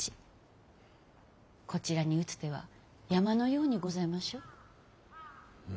こちらに打つ手は山のようにございましょう。